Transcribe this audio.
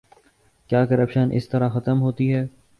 کیا کرپشن اس طرح ختم ہوتی ہے؟